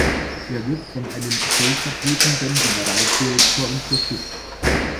Er wird von einem stellvertretenden Generaldirektor unterstützt.